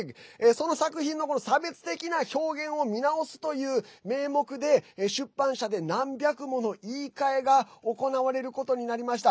その作品の差別的な表現を見直すという名目で出版社で何百もの言いかえが行われることになりました。